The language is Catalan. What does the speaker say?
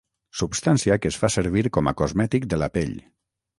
Substància que es fa servir com a cosmètic de la pell.